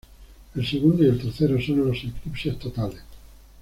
El segundo y el tercero son los eclipses totales.